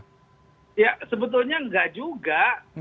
ya sebetulnya enggak juga